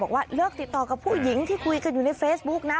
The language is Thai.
บอกว่าเลิกติดต่อกับผู้หญิงที่คุยกันอยู่ในเฟซบุ๊กนะ